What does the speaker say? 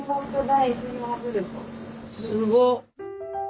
すごっ！